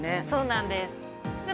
そうなんです。